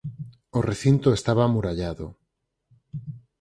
O recinto estaba amurallado.